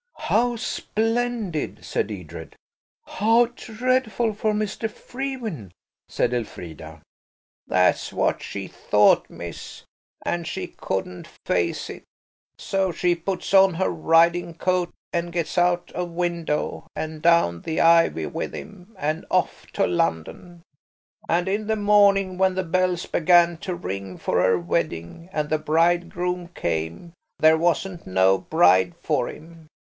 "How splendid!" said Edred. "How dreadful for Mr. Frewin," said Elfrida. "That's what she thought, miss, and she couldn't face it. So she puts on her riding coat and she gets out of window and down the ivy with him, and off to London. And in the morning, when the bells began to ring for her wedding, and the bridegroom came, there wasn't no bride for him.